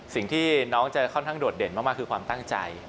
สิ่งที่น้องจะค่อนข้างโดดเด่นมากคือความตั้งใจ